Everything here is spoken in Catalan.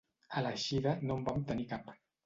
A l'eixida no en vam tenir cap.